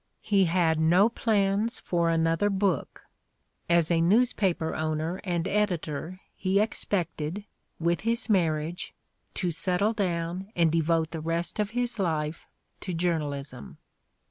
He had no plans for 96 [The Ordeal of Mark Twain another book; as a newspaper owner and editor he ex pected, with his marriage, to settle down and devote the rest of his life to journalism."